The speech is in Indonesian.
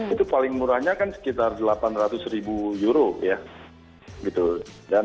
itu paling murahnya kan sekitar delapan ratus ribu euro ya